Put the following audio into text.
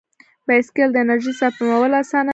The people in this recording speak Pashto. بایسکل د انرژۍ سپمول اسانوي.